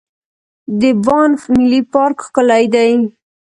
د بانف ملي پارک ښکلی دی.